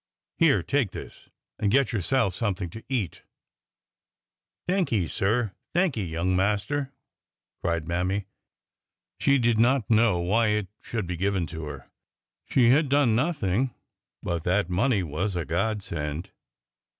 '' Here, take this and get yourself something to eat." '' Thanky, sir ! thanky, young master !" cried Mammy. She did not know why it should be given to her. She had done nothing. But that money was a godsend.